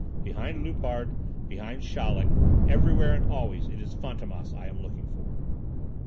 "Behind Loupart, behind Chaleck, everywhere and always it is Fantômas I am looking for."